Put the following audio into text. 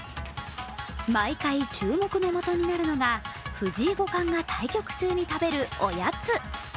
毎回注目の的になるのが、藤井五冠が対局中に食べるおやつ。